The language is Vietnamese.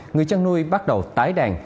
người chăn nuôi bắt đầu tái đàn